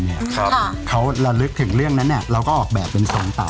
ในเรื่องนั้นน่ะเราก็ออกแบบเป็นสองเต๋า